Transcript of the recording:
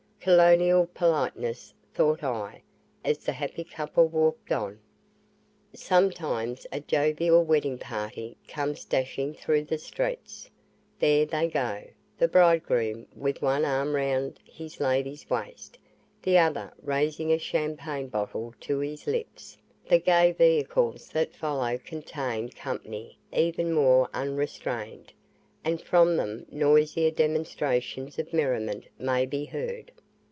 "Colonial politeness," thought I, as the happy couple walked on. Sometimes a jovial wedding party comes dashing through the streets; there they go, the bridegroom with one arm round his lady's waist, the other raising a champagne bottle to his lips; the gay vehicles that follow contain company even more unrestrained, and from them noisier demonstrations of merriment may be heard.